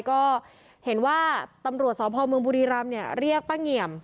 ก็เห็นว่าตำรวจสองพรหมึงบุรีรัมน์เรียกป้าเงียม